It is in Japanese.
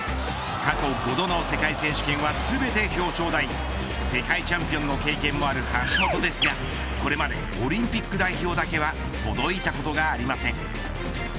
過去５度の世界選手権は全て表彰台世界チャンピオンの経験もある橋本ですがこれまでオリンピック代表だけは届いたことがありません。